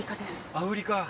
アフリカ？